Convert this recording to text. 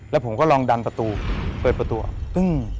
แล้วผมก็ลองดันประตูเปิดประตู